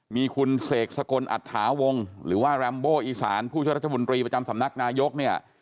มีคุณเสกสกลอัตถาวงหรือว่าแรมโบอีสานผู้ช่วยรัฐมนตรีประจำสำนักนายกเนี่ย